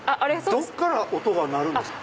どっから音が鳴るんですか？